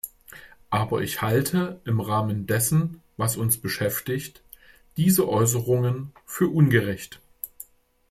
Aber ich halte im Rahmen dessen, was uns beschäftigt, diese Äußerungen für ungerecht.